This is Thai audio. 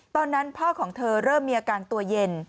ตอนนั้นพ่อของเธอเริ่มมีอาการตัวเย็น